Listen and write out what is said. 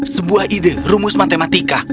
sebuah ide rumus matematika